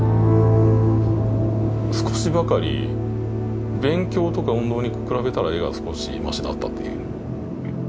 少しばかり勉強とか運動に比べたら絵が少しましだったっていう。